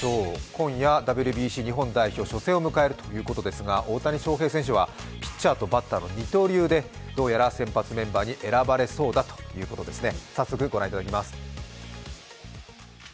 今夜、ＷＢＣ日本代表初戦を迎えるということですが大谷翔平選手は、ピッチャーとバッターの二刀流でどうやら先発メンバーに選ばれそうだということですね。